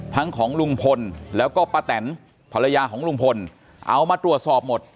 ของลุงพลแล้วก็ป้าแตนภรรยาของลุงพลเอามาตรวจสอบหมด